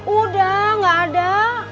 udah gak ada